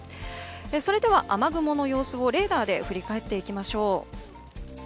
それでは雨雲の様子をレーダーで振り返っていきましょう。